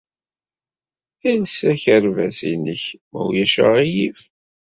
Els akerbas-nnek, ma ulac aɣilif.